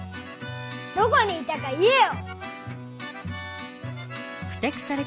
どこにいたか言えよ！